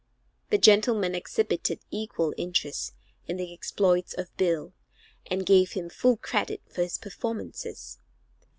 The gentlemen exhibited equal interest in the exploits of Bill, and gave him full credit for his performances.